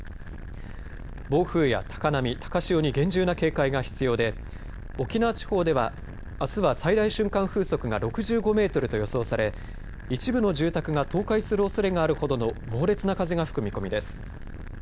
暴風や高波、高潮に厳重な警戒が必要で沖縄地方ではあすは最大瞬間風速が６５メートルと予想され一部の住宅が倒壊するおそれがあるほどの猛烈な風が吹く見込みです。